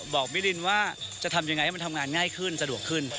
บอกมิรินว่าจะทำยังไงให้มันทำงานง่ายขึ้นสะดวกขึ้น